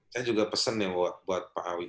saya juga pesannya buat pak awi